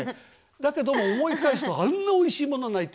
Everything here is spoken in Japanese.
だけども思い返すとあんなおいしいものないって。